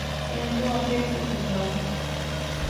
صحت و عافیت سے زندہ رہوں